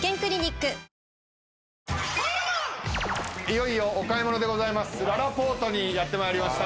いよいよお買い物でございます。